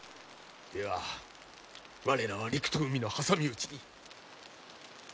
では我らは陸と海の挟み撃ちに。